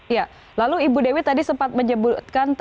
ya lalu ibu dewi tadi sempat menyebutkan